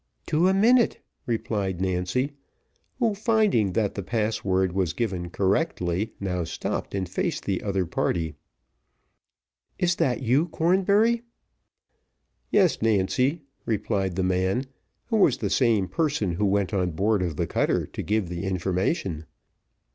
"To a minute," replied Nancy, who, finding that the password was given correctly, now stopped, and faced the other party. "Is that you, Cornbury?" "Yes, Nancy," replied the man, who, was the same person who went on board of the cutter to give the information.